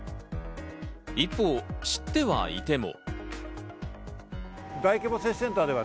一方、知ってはいても。